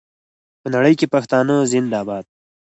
په نړۍ کې پښتانه زنده باد.